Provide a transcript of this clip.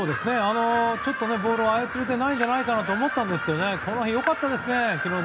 ちょっとボールを操れていないかと思ったんですがこの日、良かったですね。